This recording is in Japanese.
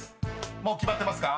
［もう決まってますか？